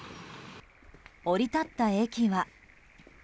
降り立った駅は。